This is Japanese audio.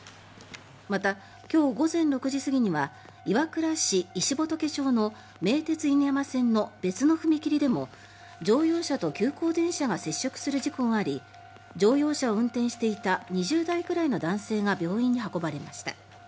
また、今日午前６時過ぎには岩倉市石仏町の名鉄犬山線の別の踏切でも乗用車と急行電車が接触する事故があり乗用車を運転していた２０代くらいの男性が病院に運ばれました。